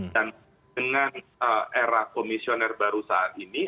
dan dengan era komisioner baru saat ini